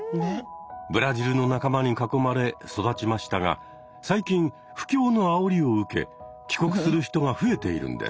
ブラジルの仲間に囲まれ育ちましたが最近不況のあおりを受け帰国する人が増えているんです。